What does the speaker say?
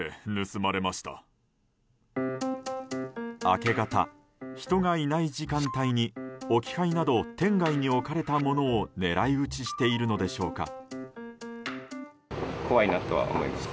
明け方、人がいない時間帯に置き配など店外に置かれたものを狙い撃ちしているのでしょうか。